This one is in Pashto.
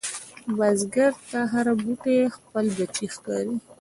بزګر ته هره بوټۍ خپل بچی ښکاري